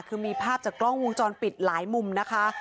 คือมีภาพจากกล้องวงจรปิดหลายมุมนะคะ